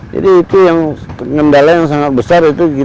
jadi itu yang sangat besar